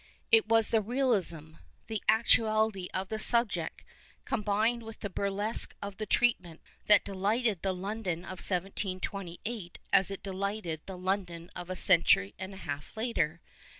It was the realism, tin actuality of the subject, combined with the burlesque of the treatment, that delighted the London of 172S as it delighted the London of a century and a half later.